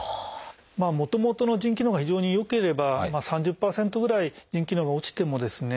もともとの腎機能が非常に良ければ３０％ぐらい腎機能が落ちてもですね